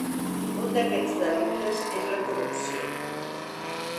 Un d’aquests delictes és la corrupció.